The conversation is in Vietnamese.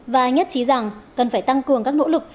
và nhất trí rằng cần phải tăng cường các nỗ lực